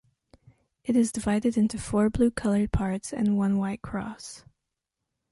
It is divided into four blue colored parts and one white cross.